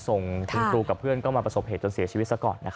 ส่งลูกส่งเพื่อนก็มีประสบเหตุเช่ามีเสียชีวิต